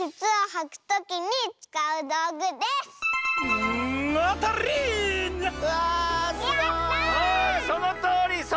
おそのとおり！